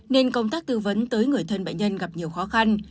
nên công tác tư vấn tới người thân bệnh nhân gặp nhiều khó khăn